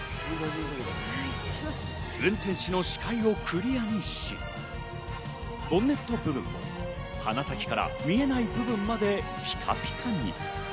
運転手の視界をクリアにし、ボンネット部分も鼻先から見えない部分までピカピカに。